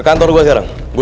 aku mau pergi